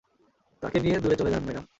তাকে নিয়ে দূরে চলে যান, ম্যাডাম।